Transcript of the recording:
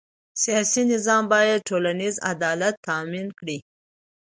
سیاسي نظام باید ټولنیز عدالت تأمین کړي